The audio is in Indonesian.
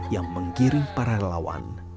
yang menggiring para relawan